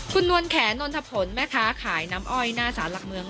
คุณนวลแขนนนทผลแม่ค้าขายน้ำอ้อยหน้าสารหลักเมือง